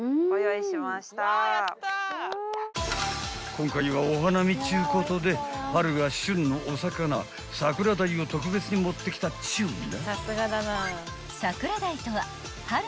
［今回はお花見っちゅうことで春が旬のお魚桜鯛を特別に持ってきたっちゅうな］